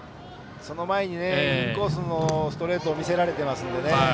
その前にインコースのストレートを見せられていますのでね。